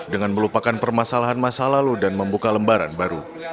dengan melupakan permasalahan masa lalu dan membuka lembaran baru